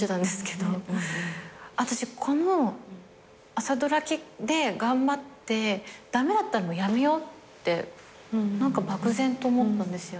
私この朝ドラで頑張って駄目だったら辞めようって漠然と思ったんですよね。